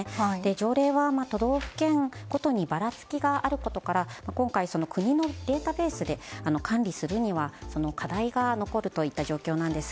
条例は都道府県ごとにばらつきがあることから今回、国のデータベースで管理するには課題が残るといった状況なんです。